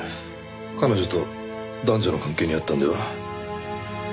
彼女と男女の関係にあったのでは？